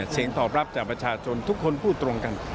เสียงตอบรับจากประชาชนทุกคนพูดตรงกัน